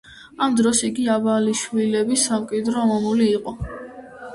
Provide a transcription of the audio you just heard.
ამ დროს იგი ავალიშვილების სამკვიდრო მამული იყო.